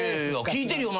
聞いてるよ。